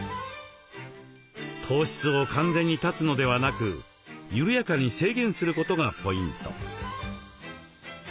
糖質を完全に絶つのではなく緩やかに制限することがポイント。